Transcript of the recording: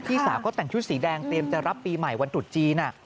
สาวก็แต่งชุดสีแดงเตรียมจะรับปีใหม่วันตรุษจีน